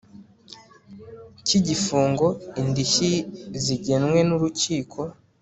cy igifungo indishyi zigenwe n urukiko